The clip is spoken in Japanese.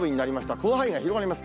この範囲が広がります。